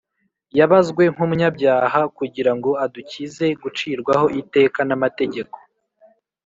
yabazwe nk’umunyabyaha, kugira ngo adukize gucirwaho iteka n’amategeko